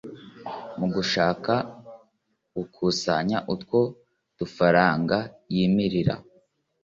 Mu gushaka gukusanya utwo dufaranga yimirira